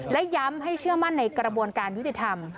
และย้ำให้เชื่อมั่นในกระบวนการยุติธรรม